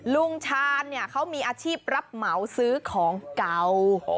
ลุงชาญเนี่ยเขามีอาชีพรับเหมาซื้อของเก่า